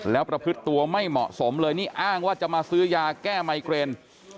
แล้วประพฤติตัวไม่เหมาะสมเลยนี่อ้างว่าจะมาซื้อยาแก้ไมเกรน